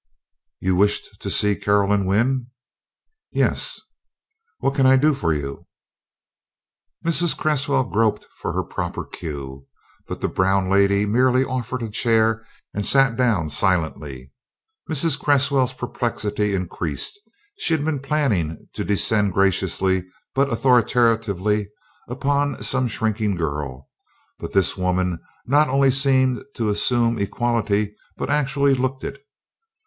"You wished to see Caroline Wynn?" "Yes." "What can I do for you?" Mrs. Cresswell groped for her proper cue, but the brown lady merely offered a chair and sat down silently. Mrs. Cresswell's perplexity increased. She had been planning to descend graciously but authoritatively upon some shrinking girl, but this woman not only seemed to assume equality but actually looked it.